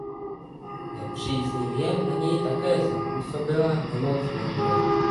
Nepříznivě na něj také zapůsobila nemoc manželky.